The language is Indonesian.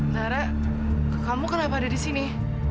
nara kamu kenapa ada disini